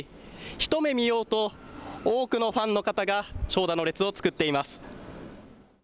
一目見ようと多くのファンの方が長蛇の列を作っています。